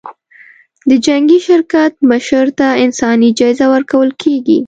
د جنګي شرکت مشر ته انساني جایزه ورکول کېږي.